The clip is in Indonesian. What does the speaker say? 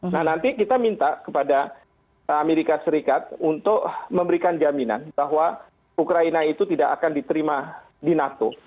nah nanti kita minta kepada amerika serikat untuk memberikan jaminan bahwa ukraina itu tidak akan diterima di nato